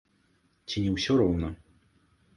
Ці не ўсё роўна?